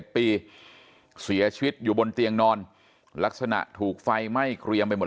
เสียชีวิตอยู่บนเตียงนอนลักษณะถูกไฟไหม้เกรียมไปหมด